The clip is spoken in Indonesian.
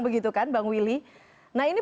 begitu kan bang willy nah ini